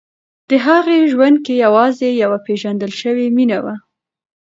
د هغې ژوند کې یوازې یوه پېژندل شوې مینه وه.